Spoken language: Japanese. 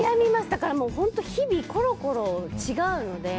だから本当日々コロコロ違うので。